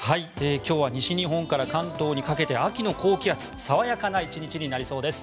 今日は西日本から関東にかけて秋の高気圧爽やかな１日になりそうです。